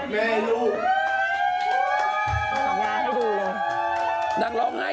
แม่ลูกจริงนะ